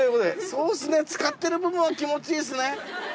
そうっすねつかってる部分は気持ちいいっすね。